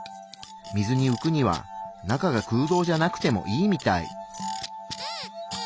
水にうくには中が空洞じゃなくてもいいみたい。